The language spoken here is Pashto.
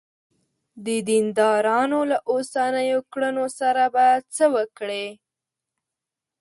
د دیندارانو له اوسنیو کړنو سره به څه وکړې.